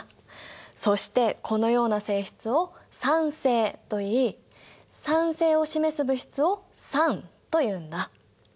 そしてこのような性質を酸性といい酸性を示す物質を酸というんだ。